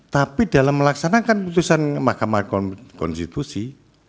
tapi dalam melaksanakan putusan mahkamah konstitusi